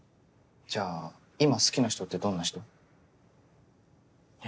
じゃあ今好きな人ってどんな人？え？